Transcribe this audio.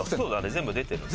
全部出てるんだ。